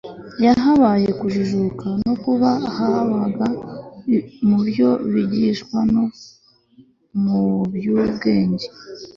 yabahaye kujijuka no kuba abahanga mu byo bigishwa no mu by'ubwenge